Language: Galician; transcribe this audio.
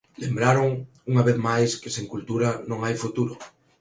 Lembraron unha vez máis que sen cultura non hai futuro.